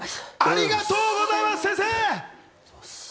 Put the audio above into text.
ありがとうございます、先生！